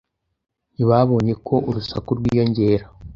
Ntibabonye ko urusaku rwiyongera.